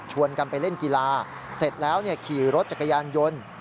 กันไปเล่นกีฬาเสร็จแล้วขี่รถจักรยานยนต์